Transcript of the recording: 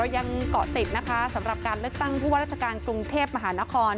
ยังเกาะติดนะคะสำหรับการเลือกตั้งผู้ว่าราชการกรุงเทพมหานคร